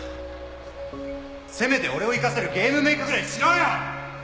せめて俺を生かせるゲームメークぐらいしろよ！